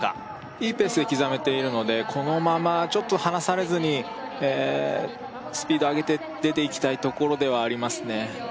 いいペースで刻めているのでこのままちょっと離されずにええスピード上げて出ていきたいところではありますね